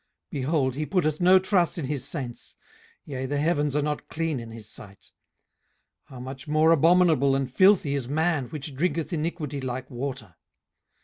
18:015:015 Behold, he putteth no trust in his saints; yea, the heavens are not clean in his sight. 18:015:016 How much more abominable and filthy is man, which drinketh iniquity like water?